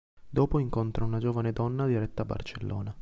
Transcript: Dopo incontra una giovane donna diretta a Barcellona.